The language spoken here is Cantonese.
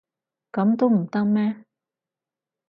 噉都唔得咩？